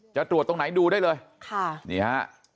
จะตรวจตรงไหนดูได้เลยค่ะนี่ฮะ